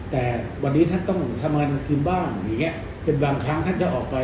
แต่วันนี้ท่านต้องทำงานคืนบ้างอย่างเงี้ยเป็นบางครั้งท่านจะออกไป